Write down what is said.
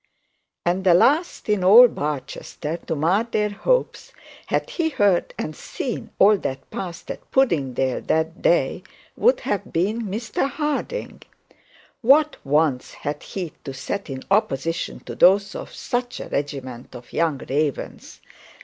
And the last in all Barchester to mar their hopes, had he heard and seen all that had passed at Puddingdale that day, would have been Mr Harding. What wants had he to set in opposition to those of such a regiment of young ravens?